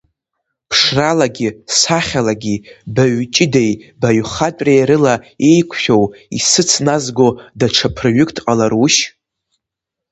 Ԥшралагьы сахьалагьы, баҩ ҷыдеи, баҩхатәреи рыла еиқәшәоу, исыцназго даҽа ԥырҩык дҟаларушь?